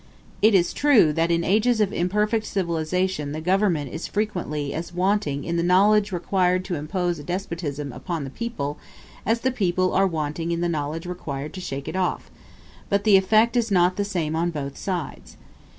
It is true, that in ages of imperfect civilization the government is frequently as wanting in the knowledge required to impose a despotism upon the people as the people are wanting in the knowledge required to shake it off; but the effect is not the same on both sides.